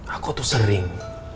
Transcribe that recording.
aku tuh sering